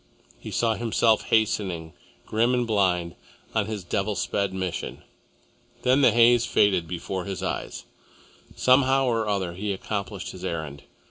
He saw himself hastening, grim and blind, on his devil sped mission. Then the haze faded from before his eyes. Somehow or other he accomplished his errand.